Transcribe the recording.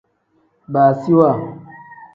Baasiwa.